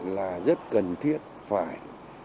là rất cần thiết phải